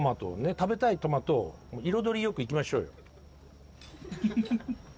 食べたいトマトを彩りよくいきましょうよ。